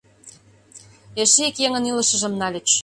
Эше ик еҥын илышыжым нальыч...